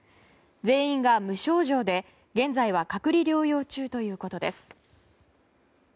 全員が無症状で、現在は隔離療養中ということです。